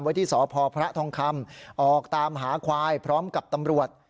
ที่สพพระทองคำออกตามหาควายพร้อมกับตำรวจ